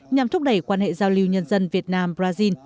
nhằm thúc đẩy quan hệ giao lưu nhân dân việt nam brazil